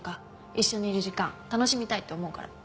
一緒にいる時間楽しみたいって思うから。